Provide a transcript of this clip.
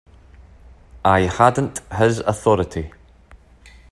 I hadn't his authority.